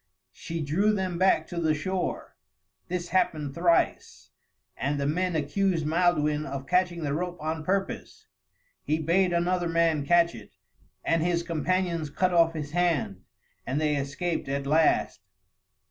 She drew them back to the shore; this happened thrice, and the men accused Maelduin of catching the rope on purpose; he bade another man catch it, and his companions cut off his hand, and they escaped at last.